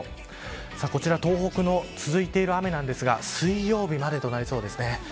こちら東北の続いている雨なんですが水曜日までとなりそうです。